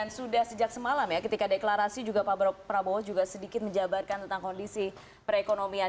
dan sudah sejak semalam ya ketika deklarasi juga pak prabowo juga sedikit menjabarkan tentang kondisi perekonomian